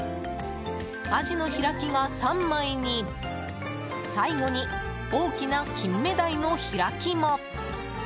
アジの開きが３枚に最後に大きなキンメダイの開きも。